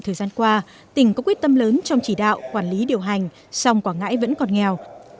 thời gian qua tỉnh có quyết tâm lớn trong chỉ đạo quản lý điều hành song quảng ngãi vẫn còn nghèo